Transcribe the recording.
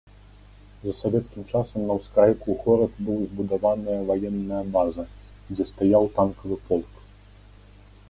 За савецкім часам на ўскрайку горад быў збудаваная ваенная база, дзе стаяў танкавы полк.